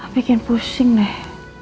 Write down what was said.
bikin pusing deh